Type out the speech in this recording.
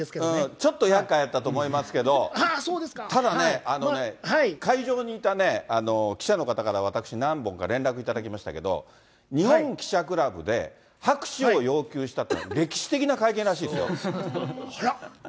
ちょっとやっかいやったと思いますけど、ただね、会場にいたね、記者の方から私、何本か連絡頂きましたけど、日本記者クラブで拍手を要求したというのは、歴史的な会見らしいあら。